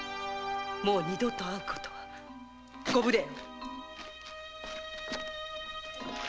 もう二度と会うことはご無礼。